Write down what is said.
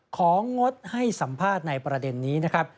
ของงดให้สัมภาษณ์ในประเด็นนี้นะครับ